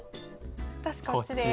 私こっちです。